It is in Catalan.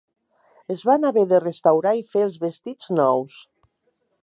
Es van haver de restaurar i fer els vestits nous.